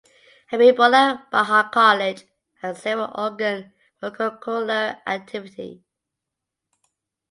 Habibullah Bahar College has several organ for co curricular activity.